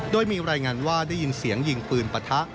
โดยมีรายงานว่าได้ยินเสียงยิงปืนปะทะ